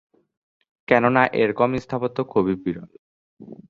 কেননা এরকম স্থাপত্য খুবই বিরল।